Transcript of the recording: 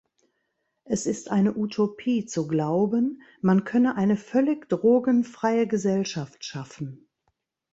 Es ist eine Utopie zu glauben, man könne eine völlig drogenfreie Gesellschaft schaffen..